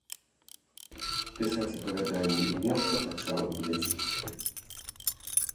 Пісаць апавяданні і вершы пачаў у дзяцінстве.